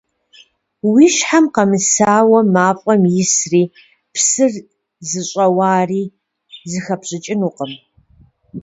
Уи щхьэм къэмысауэ мафӀэм исри псыр зыщӀэуари зыхэпщӀэнукъым.